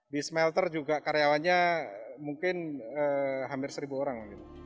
di smelter juga karyawannya mungkin hampir seribu orang